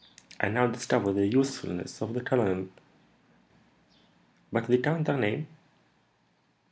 I now discover the usefulness of the colonel. But the Count d'Harneim?"